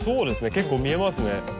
結構見えますね。